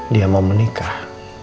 dia mau menikah